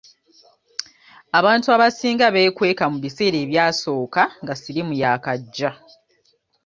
Abantu abasinga beekweka mu biseera ebyasooka nga siriimu yaakajja.